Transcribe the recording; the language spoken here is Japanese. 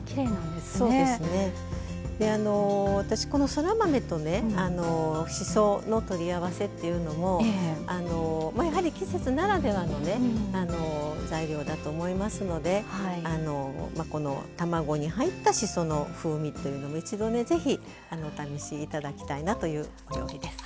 であの私このそら豆とねしその取り合わせっていうのもまあやはり季節ならではのね材料だと思いますのであのこの卵に入ったしその風味というの一度ね是非お試し頂きたいなというお料理です。